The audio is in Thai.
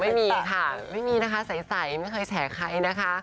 ไม่มีค่ะไม่มีนะคะใสไม่เคยแฉใครนะคะ